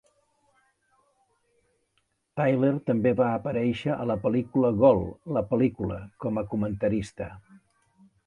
Tyler també va aparèixer a la pel·lícula "Gool! La pel·lícula" com a comentarista.